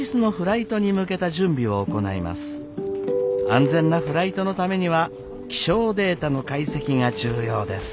安全なフライトのためには気象データの解析が重要です。